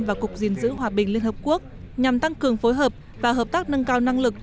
và cục diện giữ hòa bình liên hợp quốc nhằm tăng cường phối hợp và hợp tác nâng cao năng lực